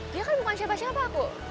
dia kan bukan siapa siapa bu